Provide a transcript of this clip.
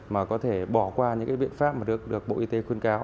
mà có thể bỏ qua những cái biện pháp mà được bộ y tế khuyên cáo